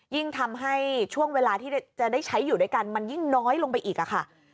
ยิ่งทำให้ช่วงเวลาที่จะได้ใช้อยู่ด้วยกันมันยิ่งน้อยลงไปอีกค่ะ